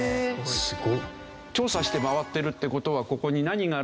すごい。調査して回ってるって事はここに何があるのかな？